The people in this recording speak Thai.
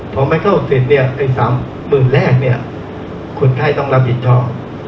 ถ้าไม่เข้าสิทธิ์ให้สามหมื่นแรกคุณไข้ต้องรับผิดทรอบ